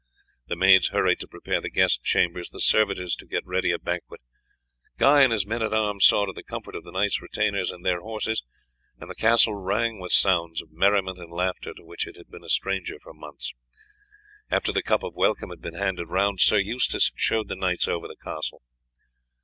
The maids hurried to prepare the guest chambers, the servitors to get ready a banquet. Guy and his men at arms saw to the comfort of the knights' retainers and their horses, and the castle rang with sounds of merriment and laughter to which it had been a stranger for months. After the cup of welcome had been handed round Sir Eustace showed the knights over the castle.